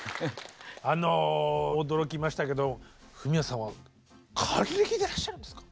あの驚きましたけどフミヤさんは還暦でいらっしゃるんですか？